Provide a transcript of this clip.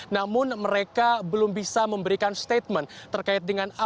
namun mereka belum bisa memberikan statement